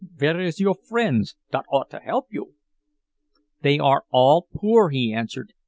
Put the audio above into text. "Vere is your friends, dot ought to help you?" "They are all poor," he answered.